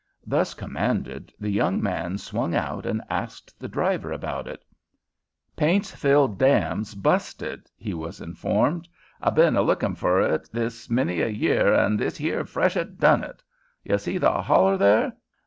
Thus commanded, the young man swung out and asked the driver about it. "Paintsville dam's busted," he was informed. "I been a lookin' fer it this many a year, an' this here freshet done it. You see the holler there?